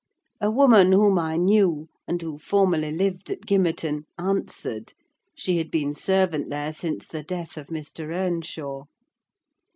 A woman whom I knew, and who formerly lived at Gimmerton, answered: she had been servant there since the death of Mr. Earnshaw.